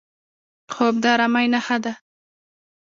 خوب د ارامۍ نښه ده